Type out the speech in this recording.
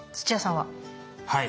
はい。